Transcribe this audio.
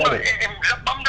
em bấm rất nhiều kiểu